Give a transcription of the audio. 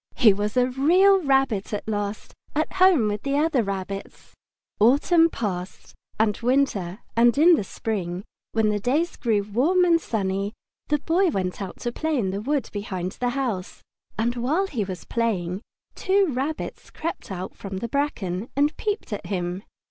He was a Real Rabbit at last, at home with the other rabbits. At Last! At Last! Autumn passed and Winter, and in the Spring, when the days grew warm and sunny, the Boy went out to play in the wood behind the house. And while he was playing, two rabbits crept out from the bracken and peeped at him.